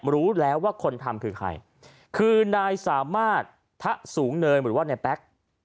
รู้แล้วว่าคนทำคือใครคือนายสามารถทะสูงเนินหรือว่าในแป๊ก